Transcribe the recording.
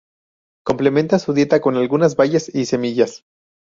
Complementa su dieta con algunas bayas y semillas.